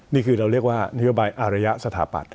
นี่คือเรียกว่านิวบรรยาสถาปัตย์